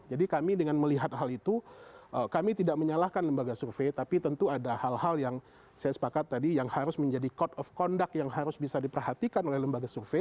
jadi kami dengan melihat hal itu kami tidak menyalahkan lembaga survei tapi tentu ada hal hal yang saya sepakat tadi yang harus menjadi code of conduct yang harus bisa diperhatikan oleh lembaga survei